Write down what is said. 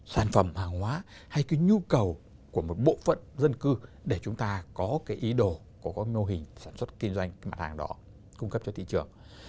sản xuất kinh doanh mạng hàng đó cung cấp cho thị trường